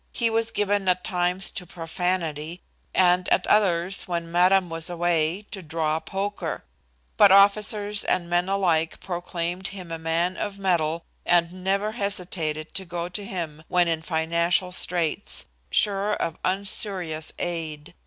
He was given at times to profanity, and at others, when madame was away, to draw poker; but officers and men alike proclaimed him a man of mettle and never hesitated to go to him when in financial straits, sure of unusurious aid.